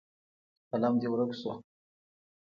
قلم دې ورک شو.